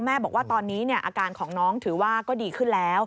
บอกว่าตอนนี้อาการของน้องถือว่าก็ดีขึ้นแล้ว